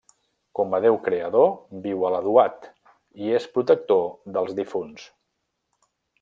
Com a déu creador, viu a la Duat, i és protector dels difunts.